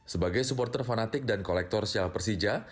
sebagai supporter fanatik dan kolektor syah persija